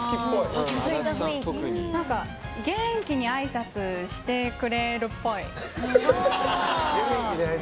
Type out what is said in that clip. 元気にあいさつしてくれるっぽい。